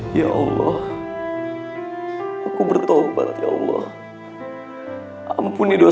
ha bahkan hora ini alhamdulillah